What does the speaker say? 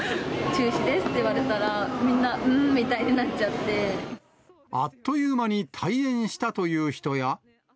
中止ですって言われたら、みんな、あっという間に退園したという人や。